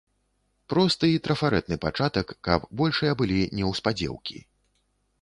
Просты і трафарэтны пачатак, каб большыя былі неўспадзеўкі.